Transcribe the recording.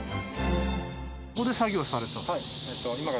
ここで作業されてたんですか？